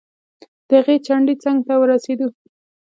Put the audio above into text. د هغې چنډې څنګ ته ورسیدو.